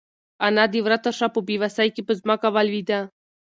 انا د وره تر شا په بېوسۍ کې په ځمکه ولوېده.